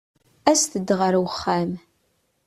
Aset-d ɣer wexxam.